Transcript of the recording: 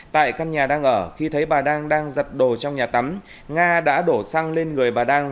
tại căn nhà đang ở khi thấy bà đang đang giặt đồ trong nhà tắm nga đã đổ xăng lên người bà đang